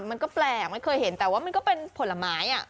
มันก็แปลกไม่เคยเห็นแต่ว่ามันก็เป็นผลไม้